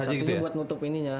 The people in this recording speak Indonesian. iya satu buat ngutup ini ya